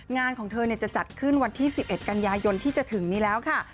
งานของเธอจะจัดขึ้นวันที่๑๑กันยายนที่จะถึงนี้แล้วค่ะ